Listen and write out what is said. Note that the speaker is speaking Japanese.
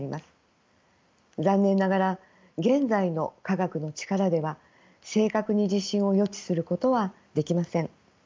残念ながら現在の科学の力では正確に地震を予知することはできません。